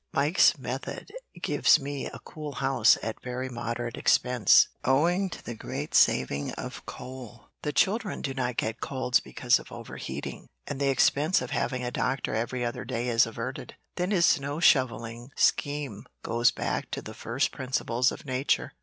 Mike's method gives me a cool house at very moderate expense, owing to the great saving of coal, the children do not get colds because of overheating, and the expense of having a doctor every other day is averted. Then his snow shovelling scheme goes back to the first principles of nature.